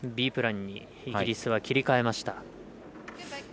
Ｂプランにイギリスは切り替えました。